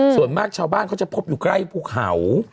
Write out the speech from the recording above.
ส่วนมากชาวบ้านเขาจะพบอยู่ใกล้ภูเขา